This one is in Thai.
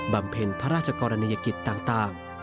เพ็ญพระราชกรณียกิจต่าง